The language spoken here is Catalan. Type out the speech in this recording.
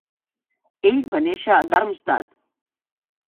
Ell va néixer a Darmstadt.